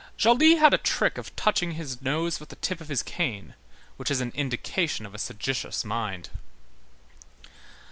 23 Joly had a trick of touching his nose with the tip of his cane, which is an indication of a sagacious mind.